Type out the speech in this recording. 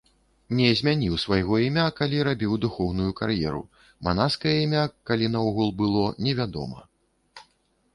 Не змяніў свайго імя, калі рабіў духоўную кар'еру, манаскае імя, калі наогул было, невядома.